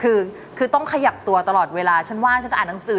คือคือต้องขยับตัวตลอดเวลาฉันว่าฉันต้องอ่านหนังสือ